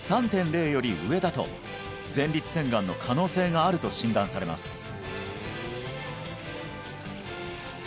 ３．０より上だと前立腺がんの可能性があると診断されます